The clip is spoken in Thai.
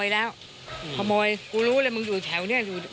แล้วก็ลุกลามไปยังตัวผู้ตายจนถูกไฟคลอกนะครับ